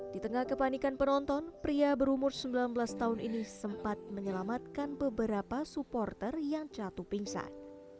di tengah kepanikan penonton pria berumur sembilan belas tahun ini sempat menyelamatkan beberapa supporter yang jatuh pingsan